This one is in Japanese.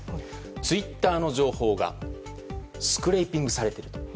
ツイッターの情報がスクレイピングされていると。